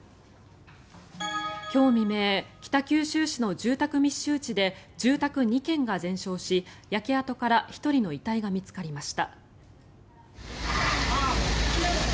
今日未明、北九州市の住宅密集地で住宅２軒が全焼し焼け跡から１人の遺体が見つかりました。